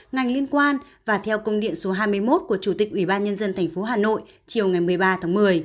ngành liên quan và theo công điện số hai mươi một của chủ tịch ủy ban nhân dân tp hà nội chiều ngày một mươi ba tháng một mươi